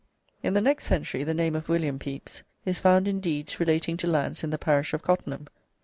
In the next century the name of William Pepis is found in deeds relating to lands in the parish of Cottenham, co.